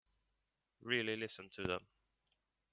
Really listen to them.